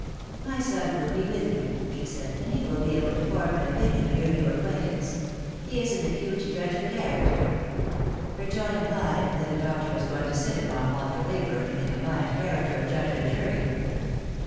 " My son will be with you," she said, " and he will be able to form an opinion of your new acquaintance. He is an acute judge of character." Her tone implied that the doctor was going to sit upon Walter Leyburne in the combined character of judge and jury.